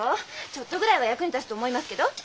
ちょっとぐらいは役に立つと思いますけど？